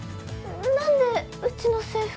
なんでうちの制服？